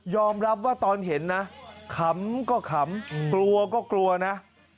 รับว่าตอนเห็นนะขำก็ขำกลัวก็กลัวนะ